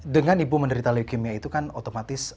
dengan ibu menderita leukemia itu kan otomatis